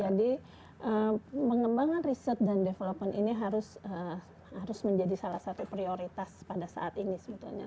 jadi mengembangkan riset dan development ini harus menjadi salah satu prioritas pada saat ini sebetulnya